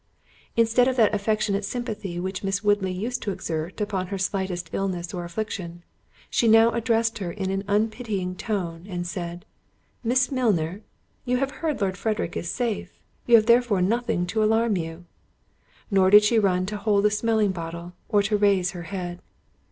Instead of that affectionate sympathy which Miss Woodley used to exert upon her slightest illness or affliction, she now addressed her in an unpitying tone, and said, "Miss Milner, you have heard Lord Frederick is safe, you have therefore nothing to alarm you." Nor did she run to hold a smelling bottle, or to raise her head.